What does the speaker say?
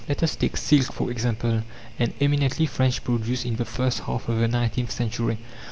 Let us take silk, for example, an eminently French produce in the first half of the nineteenth century.